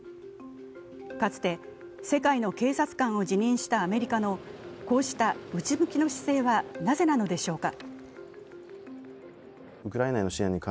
かつて世界の警察官を自認したアメリカのこうした内向きの姿勢は、なぜなのでしょうか。